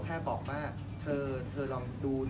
ไม่เอาเสียงต่อสนุก